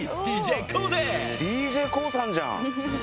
ＤＪＫＯＯさんじゃん。